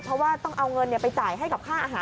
เพราะว่าต้องเอาเงินไปจ่ายให้กับค่าอาหาร